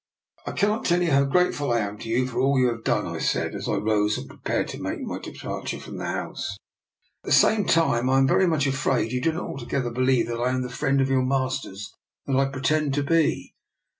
I cannot tell you how grateful I am to you for all you have done," I said, as I rose and prepared to take my departure from the house. " At the same time I am very much afraid you do not altogether believe that I am the friend of your master's that I pretend to be."